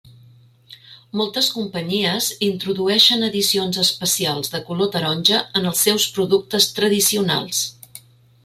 Moltes companyies introdueixen edicions especials de color taronja en els seus productes tradicionals.